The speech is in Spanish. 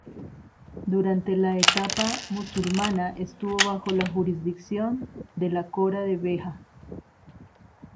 Durante la etapa musulmana estuvo bajo la jurisdicción de la cora de Beja.